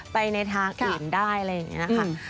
ไปในทางอื่นได้อะไรอย่างนี้ค่ะ